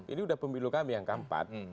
ini udah pemilu kami yang keempat